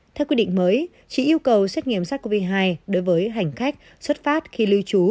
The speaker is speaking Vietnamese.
theo quy định mới chỉ yêu cầu xét nghiệm sars cov hai đối với hành khách xuất phát khi lưu trú